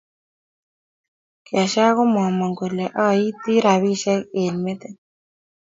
Cashier komamang kole a iti rabisiek eng metit.